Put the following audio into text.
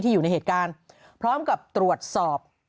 อยู่ในเหตุการณ์พร้อมกับตรวจสอบ